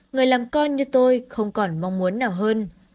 người làm con như tôi không còn mong muốn nào hơn